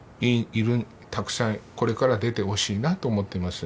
たくさんこれから出てほしいなと思ってます。